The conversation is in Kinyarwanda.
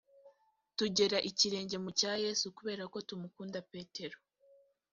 tugera ikirenge mu cya yesu kubera ko tumukunda petero